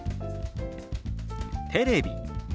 「テレビ」。